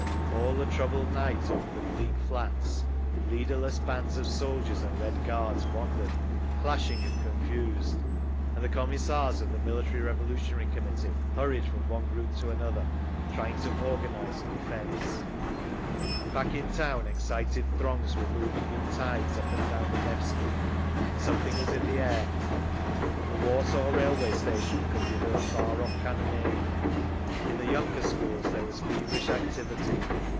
All the troubled night over the bleakflats leaderless bands of soldiers and Red Guards wandered, clashing and confused, and the Commissars of the Military Revolutionary Committee hurried from one group to another, trying to organise a defence…. Back in town excited throngs were moving in tides up and down the Nevsky. Something was in the air. From the Warsaw Railway station could be heard far off cannonade. In the yunker schools there was feverish activity.